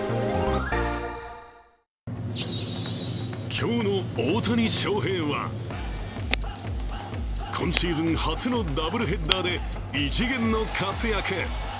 今日の大谷翔平は今シーズン初のダブルヘッダーで異次元の活躍。